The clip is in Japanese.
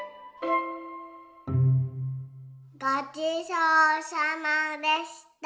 ごちそうさまでした。